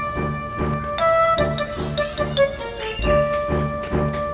kita adain pengajian aja dirumah